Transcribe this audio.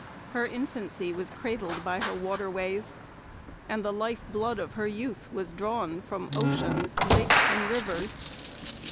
Her infancy was cradled by her waterways; and the life blood of her youth was drawn from oceans, lakes, and rivers.